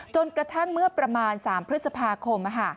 จนกระทั่งเมื่อประมาณ๓พฤษภาคม